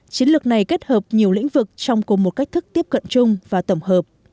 chiến lược này kết hợp nhiều lĩnh vực trong cùng một cách thức tiếp cận chung và tổng hợp